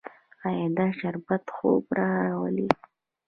ایا دا شربت خوب راوړي؟